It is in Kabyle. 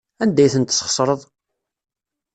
Anda ay ten-tesxeṣreḍ?